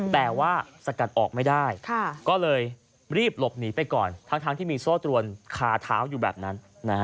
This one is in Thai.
แต่ว่าสกัดออกไม่ได้ก็เลยรีบหลบหนีไปก่อนทั้งที่มีโซ่ตรวนคาเท้าอยู่แบบนั้น